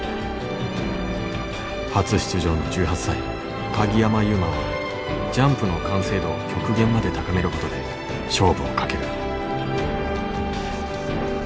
初出場の１８歳鍵山優真はジャンプの完成度を極限まで高めることで勝負をかける。